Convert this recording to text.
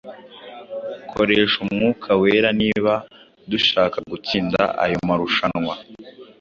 koresha Umwuka Wera niba dushaka gutsinda ayo marushanwa.